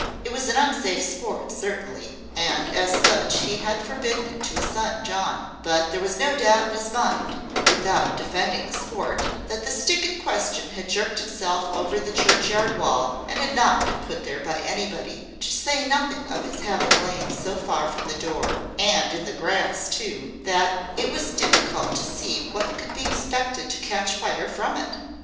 It was an unsafe sport, certainly; and as such he had forbidden it to his son John: but there was no doubt in his mind (without defending the sport), that the stick in question had jerked itself over the churchyard wall, and had not been put there by anybody; to say nothing of its having lain so far from the door (and in the grass, too), that it was difficult to see what could be expected to catch fire from it.